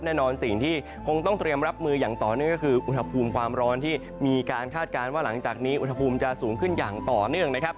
แน่นอนสิ่งที่คงต้องเตรียมรับมืออย่างต่อเนื่องก็คืออุณหภูมิความร้อนที่มีการคาดการณ์ว่าหลังจากนี้อุณหภูมิจะสูงขึ้นอย่างต่อเนื่องนะครับ